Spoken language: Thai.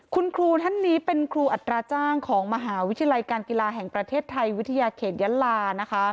คุณครูท่านนี้เป็นครูอัตราจ้างของมหาวิทยาลัยการกีฬาแห่งประเทศไทยวิทยาเขตยะลา